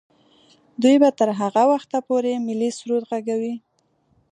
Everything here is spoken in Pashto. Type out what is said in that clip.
دوی به تر هغه وخته پورې ملي سرود ږغوي.